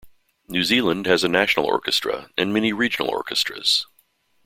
New Zealand has a national orchestra and many regional orchestras.